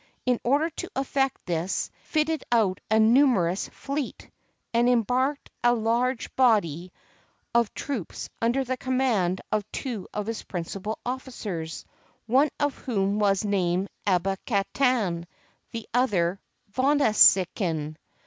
In order to effect this, he fitted out a numerous fleet, and embarked a large body of troops under the command of two of his principal offi cers, one of whom was named Abbacatan, and the other Vonsancin.